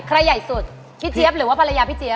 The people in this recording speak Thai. ใหญ่สุดพี่เจี๊ยบหรือว่าภรรยาพี่เจี๊ย